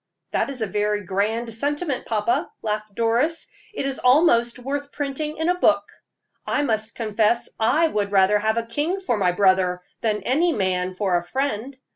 "That is a very grand sentiment, papa," laughed Doris. "It is almost worth printing in a book. I must confess I would rather have a king for my brother than any man for a friend.